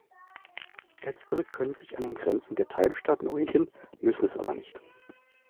Letztere können sich an den Grenzen der Teilstaaten orientieren, müssen es aber nicht.